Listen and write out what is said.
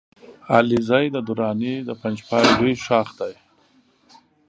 علیزی د دراني د پنجپای لوی ښاخ دی